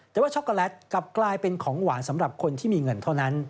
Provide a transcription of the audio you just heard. แต่ว่าช็อกโกแลตกลับกลายเป็นของหวานสำหรับคนที่มีเงินเท่านั้น